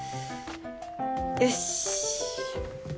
よし！